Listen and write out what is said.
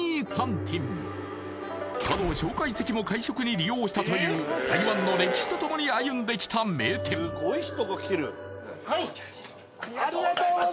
餐庁かの介石も会食に利用したという台湾の歴史とともに歩んできた名店はいありがとうございます